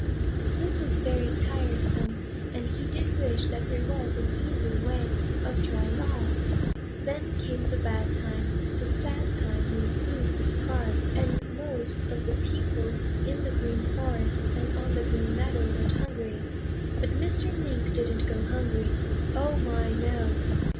This was very tiresome and he did wish that there was an easier way of drying off. "Then came the bad time, the sad time, when food was scarce, and most of the little people in the Green Forest and on the Green Meadow went hungry. But Mr. Mink didn't go hungry. Oh, my, no!